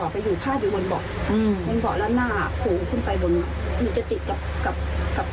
เพราะเขามณาขอให้ตัวเอง